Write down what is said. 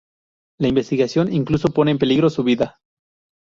La investigación incluso, pone en peligro su vida.